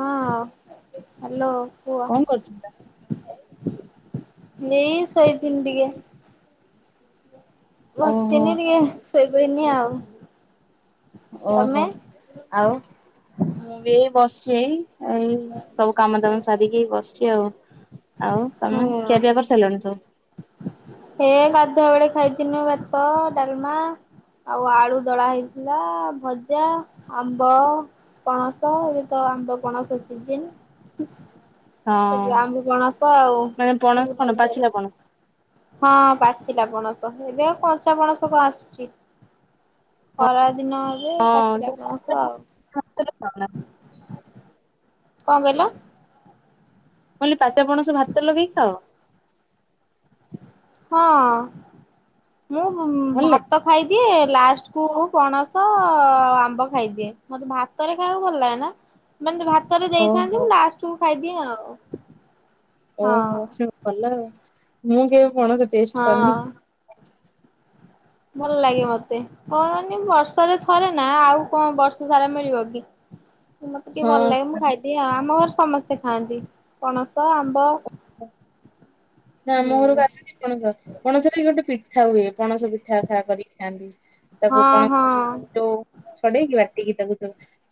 ହଁ ହାଲୋ। କୁହ କଣ କରୁଥିଲ? ଏଇ ଶୋଇଥିଲି ଟିକେ। ଓହୋ ବସିଥିଲି ଟିକେ ଶୋଇପଇଲି ଆଉ। ଓହୋ ତମେ? ଆଉ ମୁଁବି ଏଇ ବସିଚି ଏଇ। ଏଇ ସବୁ କାମ ଦାମ ସାରିକି ବସିଚି ଆଉ ଆଉ ତମେ? ଖିଆପିଆ କରିସାରିଲୁଣିତୁ? ହେ କାଧୁଆ ବଳେ ଖାଇଥିନୁ ଭାତ ଡ଼ାଲମା ଆଉ ଆଳୁ ଦଳା ହେଇଥିଲା ଭଜା ଆମ୍ବ ପଣସ ଏବେତ ଆମ୍ବ ପଣସ ସିଜିନ୍ ହଁ ଏବେ ଆମ୍ବୁ ପଣସ ଆଉ ମାନେ ପଣସ ସବୁ କଣ ରଜରେ ପାଚିଲା ପଣସ ହଁ ପାଚିଲା ପଣସ ଏବେ ଆଉ କଞ୍ଚା ପଣସ କଣ ଆସୁଚି। ଖରା ଦିନ ଏବେ ହଁ ପାଚିଲା ତମେ ପଣସ ଆଉ। [unintelligible] କଁ କଇଁଲ? ମୁକହଲି ପାଚିଲା ପଣସ ଭାତରେ ଲଗେଇ ଖାଅ? ହଁ ମୁଁ ଭା ଭଲ ଲାଗେ? ଭାତ ଖାଇଦିଏ ଲାଷ୍ଟକୁ ପଣସ ଆମ୍ବ ଖାଇଦିଏ ମତେ ଭା ଭାତରେ ଖାଇବାକୁ ଭଲ ଲାଗେନା। ମାନେ ଭାତରେ ଦେଇଥାନ୍ତି ଓହୋ ମୁଁ ଲାଷ୍ଟକୁ ଖାଇଦିଏ ଆଉ। ହଁ ଓହୋ ଭଲ ମୁଁ କେବେ ପଣସ ଟେଷ୍ଟ ହଁ। କରିନି। ଭଲ ଲାଗେ ମତେ କଣ କଁନି ବର୍ଷରେ ଥରେନା ଆଉ କଣ ବର୍ଷ ସାରା ମିଳିବକି। [inaudible] ମତେ ଟିକେ ଭଲ ଲାଗେ ମୁଁ ଖାଇଦିଏ ଆମ ଘରେ ସମସ୍ତେ ଖାଆନ୍ତି ପଣସ ଆମ୍ବ ନା ହୁଁ ଆମ ଘରକୁ ଆସିଛି ପଣସ। ପଣସବି ଗୋଟେ ପିଠା ହୁଏ ପଣସ ପିଠା ଖା କରିକି ଖାଆନ୍ତି ତାକୁ ହଁ ପଣସ ହଁ। ଯୋଉ ଛଡ଼େଇକି ବାଟିକି ତାକୁ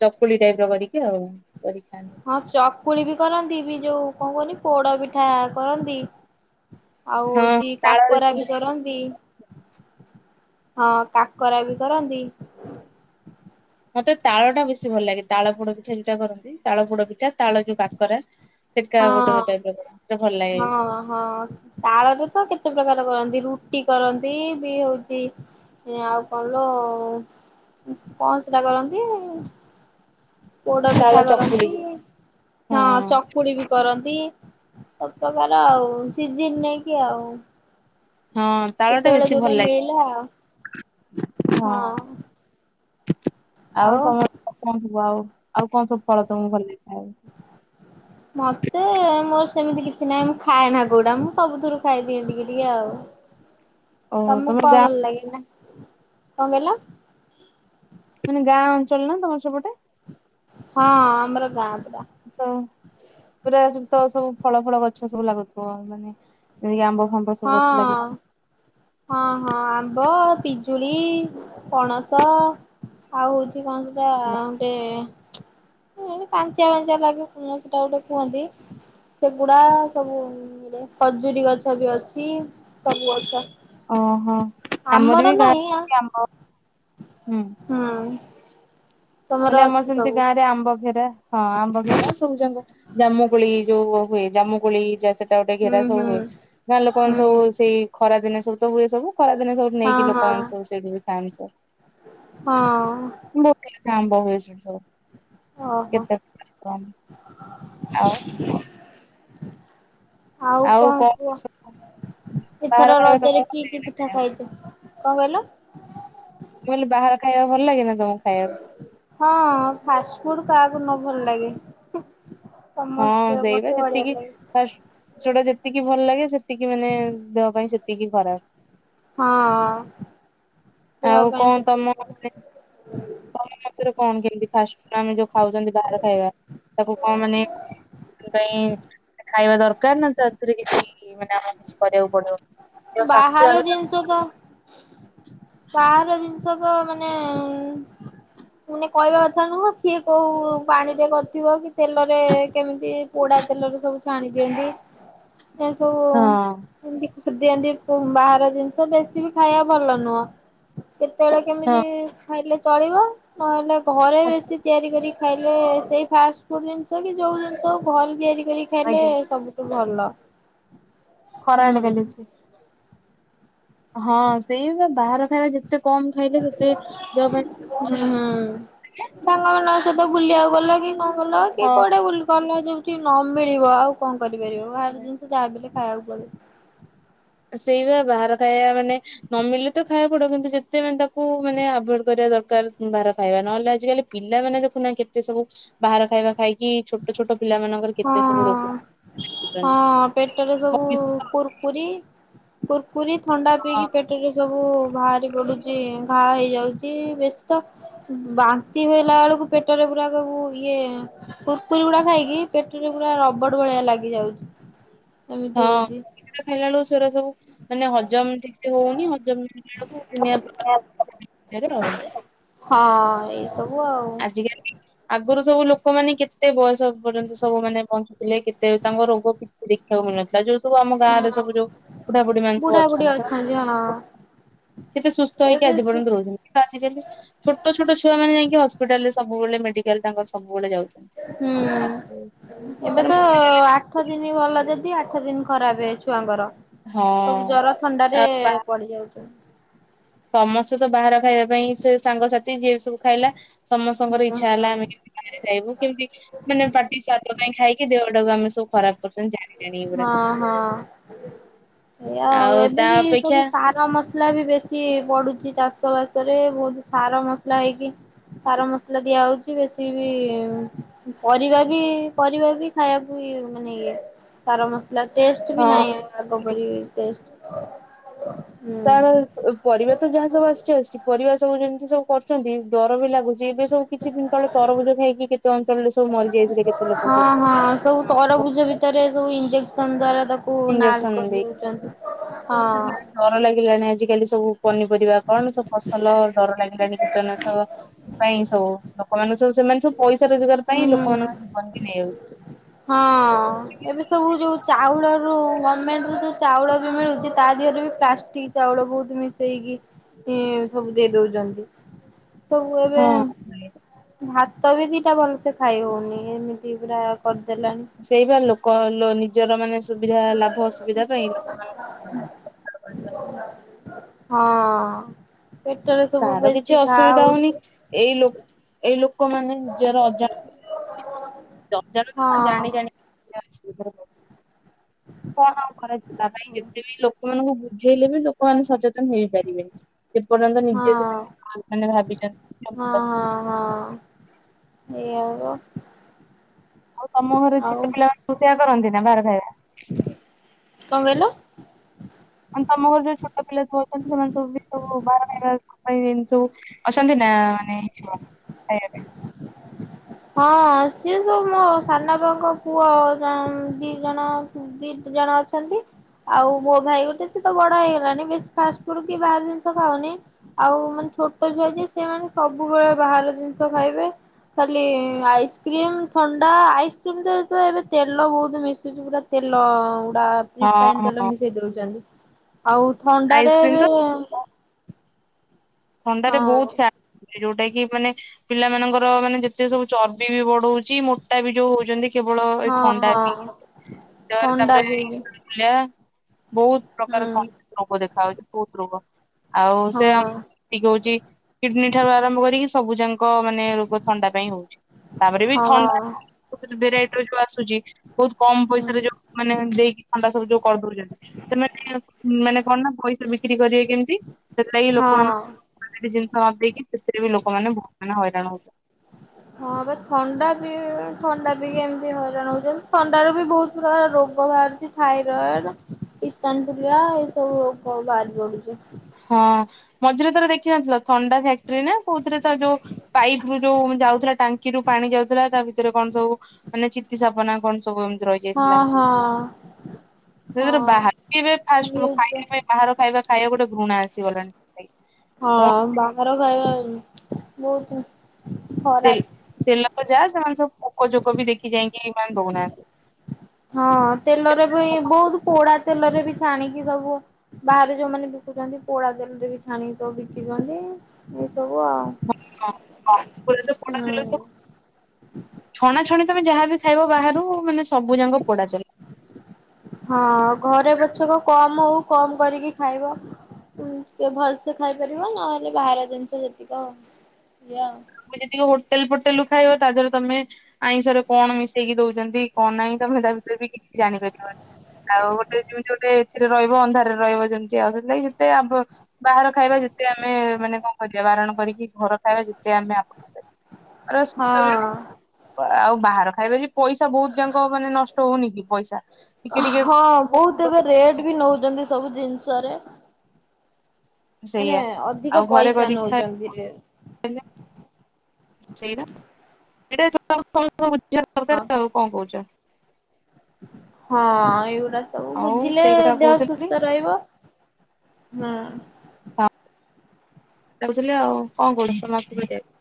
ଚକୁଳି ଟାଇପର କରିକି ଆଉ କରିକି ଖାଆନ୍ତି। ହଁ ଚକୁଳିବି କରନ୍ତିବି ଯୋଉ କଣ କହୁହନି ପୋଡ଼ ପିଠା କରନ୍ତି। ଆଉ ହଁ। ହଉଚି ତାଳରେ ଯେମିତି କାକରାବି କରନ୍ତି। ହଁ କାକରାବି କରନ୍ତି। ମତେ ତାଳଟା ବେଶୀ ଭଲ ଲାଗେ ତାଳ ପୋଡ଼ ପିଠା ଯଉଟା କରନ୍ତି ତାଳ ପୋଡ଼ ପିଠା ତାଳ ଯୋଉ କାକରା। ସେକା ଗୋଟେ ହଁ ଟାଇପିର ଭଲ ହଁ ଲାଗେ? ହଁ। ତାଳରେ ତ କେତେ ପ୍ରକାର କରନ୍ତି, ରୁଟି କରନ୍ତି ବି ହଉଚି ଆଉ କଣ ଲୋ, କଣ ସେଟା କରନ୍ତି ଇ ପୋଡ ତାଳ ପିଠା ଚକୁଳି କରନ୍ତି, ଯୋଉ। ହଁ, ଚକୁଳି ବି କରନ୍ତି। ସବୁପ୍ରକାର ଆଉ, ସିଜିନ୍ ନେଇକି ଆଉ। ହଁ, ତାଳ ଟା ଯେତେବେଳେ ବେଶୀ ଯୋଉଟା ଭଲ ମିଳିଲା ଆଉ ଲାଗେ, ହଁ। ଆଉ, ତମ କଣ ସବୁ ଆଉ, ଆଉ କଣ ସବୁ ଫଳ ତମକୁ ଭଲଲାଗେ ଖାଇବା ପାଇଁ? ମତେ ମୋର ସେମିତି କିଛି ନାହିଁ, ମୁଁ ଖାଏନା କୋଉଟା, ମୁଁ ସବୁଥିରୁ ଖାଇଦିଏ ଟିକେ ଟିକେ ଆଉ। [inaudible] ତମକୁ ତମର କଣ ଗାଁ ଭଲ ଲାଗେ ନା, କଣ କହିଲ? ମାନେ ଗାଁ ଅଞ୍ଚଳ ନା, ତମର ସେପଟେ? ହଁ, ଆମର ଗାଁ ପୁରା। ସ, ପୁରା ସବୁ ତ, ସବୁ ଫଳ ଫଳ ଗଛ ସବୁ ଲାଗୁଥିବ ମାନେ ଏଇ ଆମ୍ବ ଫାମ ହଁ ଅ। ହଁ ହଁ, ଆମ୍ବ, ପିଜୁଳି, ପଣସ ଆଉ ହଉଛି କଣ ସେଟା, ଗୋଟେ ମୁଁ କହିନି, ପାଞ୍ଚିଆ ପାଞ୍ଚିଆ ଲାଗେ, ଙ୍କ ସେଟା ଗୋଟେ କୁହନ୍ତି? ସେଗୁଡା ସବୁରେ, ଖଜୁରୀ ଗଛ ବି ଅଛି, ସବୁ ଗଛ ଅ ହ, ଆମର ବି ଗାଁ ନାହିଁ ଆ [unintelligible] ଆମ୍ବ, ହୁଁ। ହୁଁ। ତମର ହେଲେ ଆମର ଅଛି ସେମିତି ସବୁ ଗାଁ ରେ, ଆମ୍ବ ଘେରା ହଁ, ଆମ୍ବ ଘେରା, ସବୁ ଜାଙ୍ଗ ଜାମୁ କୋଳି ଯୋଉ ହୁଏ, ଜାମୁ କୋଳି ଯା ସେ ଏଟା ଗୋଟେ ହୁଁ ଘେରା ସବୁ ହୁଁ ହୁଏ, ଗାଁ ଲୋକମାନେ ହୁଁ ସବୁ ସେଇ ଖରା ଦିନେ ସବୁ ତ ହୁଏ ସବୁ, ଖରା ଦିନେ ସବୁ ହଁ ନେଇକି ହଁ ଲୋକମାନେ ସବୁ, ସେଇଠୁ ବି ଖାଆନ୍ତି ସବୁ। ହଁ ଅ। [unintelligible] ଆମ୍ବ ହୁଏ ସେଠି ସବୁ। ଓହୋ କେତେ [unintelligible] ଆଉ ଆଉ କଣ କୁହ? ବାହାର ଏଥର ଖାଇବା ତମକୁ ରଜରେ ଭଲ କି-କି ପି ପିଠା ଲାଗେ ମୁଁ ଖାଇଚ, କଣ କହିଲ? ମୁଁ କହିଲି ବାହାର ଖାଇବା ଭଲ ଲାଗେ ନା, ତମକୁ ଖାଇବାକୁ? ହଁ, ଫାଷ୍ଟ ଫୁଡ୍ କାହାକୁ ନ ଭଲ ଲାଗେ, ହୁଁ। ସମସ୍ତେ, ମତେ ବଢିଆ ଲାଗେ। ଫାଷ୍ଟ୍ ସେଗୁଡା ଯେତିକି ଭଲ ଲାଗେ, ସେତିକି ମାନେ ଦେହ ପାଇଁ ସେତିକି ଖରାପ। ହଁଅ। ଆଉ କଣ ତମ ମାନେ ତମ ମତରେ କଣ କେମ୍ ତି ଫାଷ୍ଟଫୁଡ୍ ଆମେ ଯୋଉ ଖାଉଛନ୍ତି ବାହାର ଖାଇବା, ତାକୁ କଣ ମାନେ ପାଇଁ ଖାଇବା ଦରକାର ନା, ତାଥେରେ କିଛି ମାନେ ଆମକୁ କିଛି କରିବାକୁ ପଡିବ? ଦେହ ସ୍ୱାସ୍ଥ୍ୟ ଆଗେ ବାହାର ଜିନିଷ ତ ବାହାର ଜିନିଷତ, ମାନେ ମାନେ କହିବା କଥା ନୁହଁ, ସିଏ କୋଉ ପାଣିରେ କରିଥିବ କି, ତେଲରେ କେମିତି ପୋଡା ତେଲରେ ସବୁ ଛାଣି ଦିଅନ୍ତି, ଏ ସବୁ ହଁ ଏମତି କରିଦିଅନ୍ତି ବାହାର ଜିନିଷ, ବେଶୀ ବି ଖାଇବା ଭଲ ନୁହଁ। କେତେବେଳେ ହଁ କେମିତି ଖାଇଲେ ଚଳିବ, ନହେଲେ ଘରେ ବେଶି ତିଆରି କରି ଖାଇଲେ, ସେଇ ଫାଷ୍ଟଫୁଡ୍ ଜିନିଷ କି, ଯୋଉ ଜିନିଷ ହଉ, ଘରେ ତିଆରି କରି ଖାଇଲେ ଆଜ୍ଞା ସବୁ ତୁ ଭଲ। ଖରା ହୁଁ ଏଇନେ କେନ୍ତି ଅଛି? ହଁ ସେଇଆ ବା ବାହାର ଖାଇବା ଯେତେ କମ୍ ଖାଇଲେ ଯେତେ ଦେହ ପାଇଁ ହୁଁ ସାଙ୍ଗମାନଙ୍କ ସହିତ ବୁଲିଆକୁ ଗଲ କି କଁ ଗଲ କି କୁଆଡେ ବୁଲ୍ ଗଲ ଯୋଉଠି ନ ମିଳିବ ଆଉ କଁ କରିପାରିବ ବାହାର ହଁ ଜିନିଷ ଯାହା ବି ହେଲେ ଖାଇବାକୁ ପଡିବ। ସେଇ ବା ବାହାର ଖାଇବା ମାନେ ନ ମିଳିଲେ ତ ଖାଇଆକୁ ପଡିବ କିନ୍ତୁ ଯେତେ ମାନେ ତା କୁ ମାନେ ଆଭୋଏଡ୍ କରିବା ଦରକାର। ବାଆର ଖାଇବା ନହେଲେ ଆଜିକାଲି ପିଲାମାନେ ଦେଖୁନା କେତେ ସବୁ ବାହାର ଖାଇବା ଖାଇ କି ଛୋଟ ଛୋଟ ପିଲାମାନଙ୍କର ହଁ କେତେ ସବୁ ରୋଗ ହଁ ହଁ ପେଟରେ ସବୁ [inaudible] କୁୁରକୁରି କୁୁରକୁରି ଥଣ୍ଡା ପିଇକି ପେଟେରେ ସବୁ ଭାରି ପଡୁଚି ଉଁ ଘା ହେଇଯାଉଚି ବେଶୀ ତ ବାନ୍ତି ହେଲା ବେଳୁକୁ ପେଟରେ ପୁରା ଗୁ ଗୁ ଇଏ କୁର୍ କୁରି ଗୁଡା ଖାଇକି ପେଟେରେ ପୁରା ରବଡ ଭଳିଆ ଲାଗିଯାଉଚି। ହଁ [inaudible] ଖାଇଲା ବେଳୁକୁ ସେରା ସବୁ ମାନେ ହଜମ ଠିକ୍ ସେ ହଉନି ହଜମ [inaudible] ବେଳୁକୁ ଦୁନିଆ ପ୍ରକାର [unintelligible] ଆଉ। ହଁ ଏଇ ସବୁ ଆଉ। [unintelligible] ଆଗରୁ ସବୁ ଲୋକମାନେ କେତେ ବୟସ ପର୍ଯ୍ୟନ୍ତ ସବୁ ମାନେ ବଞ୍ଚୁଥିଲେ କେତେ ତାଙ୍କ ରୋଗ କିଛି ଦେଖିବାକୁ ମିଳୁନଥିଲା ଯୋଉ ସବୁ ଆମ ଗାଁରେ ସବୁ ଯୋଉ ବୁଢା ବୁଢୀ ମାନେ ସବୁ ଅଛନ୍ତି। ଆଚ୍ଛା ସେମାନେ ଆଚ୍ଛା ହଁ। କେତେ ସୁସ୍ତ ହେଇକି ଏବେ ଆଜି ହୁଁ ପର୍ଯ୍ୟନ୍ତ ରହୁଚନ୍ତି। ଆଜିକାଲି ଛୋଟ ଛୋଟ ଛୁଆମାନେ ଯାଇକି ହସ୍ପିଟାଲରେ ସବୁବେଳେ ମେଡିକାଲ ତାଙ୍କର ସବୁବେଳେ ଯାଉଛନ୍। ହୁଁ ଏବେ ତ ମୁଖ୍ୟ ଆ ଠ ଦିନି ଭଲ ଯଦି ଆଠ ଦିନି ଖରାପେ ଛୁଆଙ୍କର ହଁ ସବୁ ଜର ଥଣ୍ଡାରେ ଆଉ ବା ପଡି ଯାଉଚନ୍। ସମସ୍ତେ ତ ବାହାର ଖାଇବା ପାଇଁ ସେ ସାଙ୍ଗସାଥି ଯିଏ ସବୁ ଖାଇଲା ହୁଁ ସମସ୍ତଙ୍କର ଇଚ୍ଛା ହୁଁ। ହେଲା ଆମେ [inaudible] ବାହାରେ ଖାଇବୁ କେମତି ମାନେ ପାଟି ସୁଆଦିଆ ପାଇଁ ଖାଇକି ଦେହଟାକୁ ଆମେ ତୋ ଖରାପ କରୁଛନ୍ତି ଜାଣି ଜାଣି ଏଗୁରା। ହଁ ହଁ। ଆଉ ତା ଅପେକ୍ଷା ର ମସଲା ବି ବେଶୀ ପଡୁଚି ଚାଷ ବାସରେ ଭୋଉତୁ ସାର ମସଲା ହେଇକି ସାର ମସଲା ଦିଆ ହଉଛି ବେଶୀ ବି ଉଁ ପରିବା ବି ପରିବା ବି ଖାଇଆ ଇ ମାନେ ଇଏ ସାର ମସଲା ଟେଷ୍ଟ ବି ନାଇଁ। ହଁ ଆଗ ପରି ଟେଷ୍ଟ ହୁଁ ତାପରେ ଓ ପରିବା ତ ଯାହା ଯାହା ଆସୁଚି ଆସୁଚି ପରିବା ସବୁ ଯେମତି ସବୁ କରୁଛନ୍ତି ଡର ବି ଲାଗୁ ଚି ଏବେ ସବୁ କିଛି ଦିନ ତଳେ ତରଭୁଜ ଖାଇକି କେତେ ଅଞ୍ଚଳରେ ସବୁ ମରି ହଁ ହଁ ସବୁ ତରଭୁଜ ଭିତରେ ସବୁ ଇଞ୍ଜେକ୍ସନ ଦ୍ଵାରା ତା କୁ ନାଲ୍ ଇଞ୍ଜେକ୍ସନ ଦେଇ। କରିଦଉଚନ୍ତି ହଁ। ଡର ଲାଗିଲାଣି ଆଜିକାଲି ସବୁ ପନିପରିବା କଣ ସବୁ ଫସଲ ଡର ଲାଗିଲାଣି ବି। ଟନାଶକ ପାଇଁ ସବୁ ଲୋକମାନେ ସବୁ ସେମାନେ ସବୁ ପଇସା ରୋଜଗାର ପାଇଁ ହୁଁ। ଲୋକମାନଙ୍କ ଜୀ ବନ ବି ନେଇ ଆଉଚୁ। ହଁ ଏବେ ସବୁ ଯୋଉ ଚାଉଳରୁ ଗମେଣ୍ଟରୁ ଯୋଉ ଚାଉଳ ବି ମିଳୁଚି ତା ଦିହରୁ ବି ପ୍ଳାଷ୍ ଟିକ ଚାଉଳ ଭୋଉତ ମିଶେଇକି ଇଁ ସବୁ ଦେଇ ଦଉଚନ୍ତି। ସବୁ ଏବେ ହଁ ଉଁ ଭାତ ବି ଦିଟା ଭଲ ସେ ଖାଇ ହଉନି ଏମିତି ପୁରା କରଦେଲାଣି। ସେଇବା ଲୋକଲ ନିଜର ମାନେ ସୁବିଧା ଲାଭ ସୁବିଧା ପାଇଁ ଲୋକ ହଁ। ପେଟରେ ସବୁ ବେଶୀ ଘା ହଉଛି। ଏଇଲୋ ଏଇଲୋକମାନେ ନିଜର ଅଜା ଅଜାଣତ ରେ କଣ ଜାଣି ହଁ। ଜାଣି [unintelligible] କଣ ଆଉ କରାଯିବ ତା ପାଇଁ ଯେତେ ବି ଲୋ ଲୋକ ମାନଙ୍କୁ ବୁଝେଇଲେ ବି ଲୋକମାନେ ସଚେତନ ହେଇପାରିବେନି। ସେପର୍ଯ୍ୟନ୍ତ ହଁ ନିଜେ ସେମାନେ ମାନେ ଭାବିଛନ୍ତି ହଁ [unintelligible] ହଁ ହଁ ଏଇଆ ଅବ। ଆଉ ତମ ଘରେ ଛୋଟ ପିଲା ମାନଙ୍କୁ ସେଆ କରନ୍ତିନା ବାହାରେ ଖାଇବା? କଁ କହିଲ? ମାନେ ତମ ଘରେ ଯୋଉ ଛୋଟପିଲା ସବୁ ଅଛନ୍ତି ସେମାନେ ସବୁ ବିଲ ବାହାର ଖାଇବାପାଇଁ ସବୁୁ ଅଛନ୍ତି ନା ମାନେ ଛୁଆ ଖାଇବା ପାଇଁ। ହଁ ସିଏ ସବୁ ମୋ ସାନଆପାଙ୍କ ପୁଅ ବଂ ଦିଜଣ ଦିଦି ଜଣ ଅଛନ୍ତି। ଆଉ ମୋ ଭାଇ ଗୋଟେ ସେତ ବଡ ହେଇଗଲାଣି ବେଶ ଫାଷ୍ଟଫୁଡ କି ବାହାର ଜିନିଷ ଖାଉନି। ଆଉ ମାନେ ଛୋଟ ଛୁଆ ଯିଏ ସେମାନେ ସବୁବେଳେ ବାହାର ଜିନିଷ ଖାଇବେ। ଲି ଆଇସ୍କ୍ରିମ୍ ଥଣ୍ଡା ଆଇସ୍କ୍ରିମ ତ ତ ଏବେ ତେଲ ବହୁତ ମିଶୁଛି ପୁରା ତେଲ ଉଡା ରିଫାଇନ ହଁ ତେଲ ହଁ ମିଶେଇ ଦଉଛନ୍ତି। ଆଉ ଥଣ୍ଡାରେ ଆଇସ୍କ୍ରିମ ବି ତ ଥଣ୍ଡାରେ ବହୁତ ହଁ ଫ୍ୟା ଯୋଉଟା କି ମାନେ ପିଲାମାନଙ୍କର ମାନେ ଯେତେ ସବୁ ଚର୍ବିବି ବଢଉଛି, ମୋଟାବି ଯୋଉ ହଉଛନ୍ତି। କେବଳ ଏ ହଁ ଥଣ୍ଡା ପିଇ ହଁ ତାରେ ଥଣ୍ଡା ତାପରେ ବି ଏଇଆ ବହୁତ ପ୍ରକାର ହୁଁ ଥ ରୋଗ ଦେଖା ହଉଛି ବହୁତ ରୋଗ ଆଉ ହଁ ସେ ଏତିକ ହଉଛି କିଡନୀ ଠାରୁ ଆରମ୍ଭ କରିକି ସବୁ ଯାଙ୍କ ମାନେ ରୋଗ ଥଣ୍ଡା ପାଇଁ ହଉଛି। ତାପରେ ବି ଥଣ୍ଡା ହଁ। ବହୁତ ଭେରାଇଟିର ଯୋଉ ଆସୁଛି ବହୁତ କମ ହୁଁ ପଇସାରେ ଯୋଉ ମାନେ ଦେଇକି ଥଣ୍ଡା ସବୁ ଯୋଉ କରିଦଉଛନ୍ତି ସେମାନେ ମାନେ କଣ ନା ପଇସା ବି କିରି କରିବେ କେମିତି ସେଥିଲାଗି ଲୋ ହଁ। ଜିନିଷ ମଗେଇକି ସେଥିରେ ବି ଲୋକମାନେ ବହୁତ ମାନେ ହଇରାଣ ହଉଛନ୍ତି। ହଁ ବା ଥଣ୍ଡା ବି ଥଣ୍ଡା ପିକି ଏମିତି ହଇରାଣ ହଉଛନ୍ତି ଥଣ୍ଡାରୁ ବି ବହୁତ ପୁରା ରୋଗ ବାହାରୁଛି ଥାଇରଏଡ ଇସନଫୁଲିଆ ଏସବୁ ରୋଗ ବାହାରି ପଡୁଛି। ହଁ ମଝିରେ ଥରେ ଦେଖିନଥିଲ ଥଣ୍ଡା ଫ୍ୟାକ୍ଟ୍ରି ନା କୋଉଥିରେ ତ ଯୋଉ ପାଇପ୍ ରୁ ଯୋଉ ଯାଉଥିଲା ଟାଙ୍କିରୁୁ ପାଣି ଯାଉଥିଲା ତା ଭିତରେ କଣ ସବୁ ମାନେ ଚିତି ସାପନା କଣ ସବୁ ଏମିତି ରହି ଯାଇଥିଲା, ହଁ ହଁ ଯୋଉଦିନ ହଁ ବାହାରିବେ ଫାଷ୍ଟେ ନିଉଜରେ ଖାଇବା ବାହାର ଖାଇବା ଖାଇବା ଗୋଟେ ଘୃଣା ଆସିଗଲାଣି। ହଁ ବାହାର ଖାଇବା ବହୁତ ତେ ଖରାପ। ତେଲ ଯାହା ସେମାନେ ସବୁ ପୋକ ଯୋକ ବି ଦେଖି ଚାହିଁକିବି ଦଉନାହାନ୍ତି। ହଁ ତେଲରେ ବି ବହୁତ ପୋଡା ତେଲରେ ବି ଛାଣିକି ସବୁ ବାହାରେ ଯୋଉମାନେ ବିକୁଛନ୍ତି ପୋଡା ତେଲ ରେ ବି ଛାଣି ସବୁ ବିିକିଛନ୍ତି ଏଇ ସବୁ ଆଉ। ହଁ ହଁ ପୁରାତ ପୋଡା ତେଲ ହୁଁ। ଛଣାଛଣି ତମେ ଯାହା ବିି ଖାଇବ ବାହାରୁ ମାନେ ସବୁ ଯାକଁ ପୋଡା ତେଲ। ହଁ ଘରେ ପଛକ କମ ହଉ କମ କରିକି ଖାଇବ। ଟିକେ ଭଲସେ ଖାଇପାରିବ ନହେଲେ ବାହାର ଜିନିଷ ଯେତିକ ଏଇଆ। ତମେ ଯେତିକି ହୋଟେଲ ଫୋଟେଲୁ ଖାଇବା ତା ଦେହରେ ତମେ ଆଇଁଷରେ କଣ ମିଶେଇକି ଦଉଛନ୍ତି କଣ ନାହିଁ ତମେ ତା ଭିତରେ ବି କିଛି ଜାଣିପାରିବନି। ଆଉ ଗୋଟେ ଯେମତି ଗୋଟେ ଏଥିରେ ରହିବ ଅନ୍ଧାରରେ ରହିବ ଯେମିତି ଆଉ ସେତିନାଗି ସେତେ ଆମ୍ୱ ବାହାର ଖାଇବା ଯେତେ ଆମେ ମାନେ କଣ କରିବା ବାରଣ କରିକି ଘର ଖାଇବା ଯେତେ ଆମେ ଆପଣଇ ପାରିବା। ହଁ [unintelligible] ଆଉ ବାହାର ଖାଇବା ବି ପଇସା ବହୁତ ଯାଙ୍କ ମାନେ ନଷ୍ ଷ୍ଟ ହଉନି କି ପଇସା। ଟିକେ ଅହ ଟିକେ ବହୁତ ଏବେ ରେଟ ବି ନଉଛନ୍ତି ସବୁ ଜିନିଷରେ। ସେଇଆ ମାନେ ଆଉ ଅଧିକ ଘରେ ପଇସା କରିକି ନଉଛନ୍ତି ରେ [unintelligible] [unintelligible] ଆଉ କଣ ହଁ। କହୁଚ। ହଁ ଏଇଗୁଡା ସବୁ ଆଉ ବୁଝିଲେ ସେଇ କଥା ଦେହ କହୁଥିଲି ସୁସ୍ଥ ରହିବ। ହଁ। ଯାଇଥିଲେ ଆଉ କଣ [unintelligible] ସମାପ୍ତି [unintelligible]